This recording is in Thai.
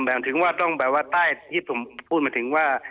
ถึงว่าต้องแบบว่าใต้ที่ผมพูดมาถึงว่า